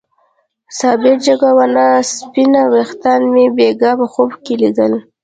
د صابر جګه ونه او سپين ويښتان مې بېګاه په خوب ليدل.